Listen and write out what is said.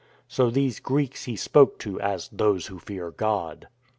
So these Greeks he spoke to as " those who fear God."